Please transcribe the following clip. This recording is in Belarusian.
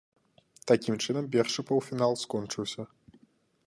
Такім чынам першы паўфінал скончыўся.